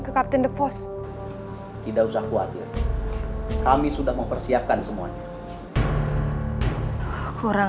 ke kapten the post tidak usah khawatir kami sudah mempersiapkan semuanya kurang